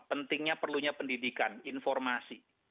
pentingnya perlunya pendidikan informasi